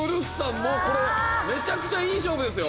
もうこれめちゃくちゃいい勝負ですよ。